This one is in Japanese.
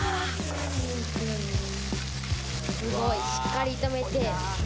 すごいしっかり炒めて。